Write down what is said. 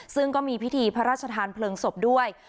ซึ่งก็มีพิธีพระราชทานเพลิงศพด้วย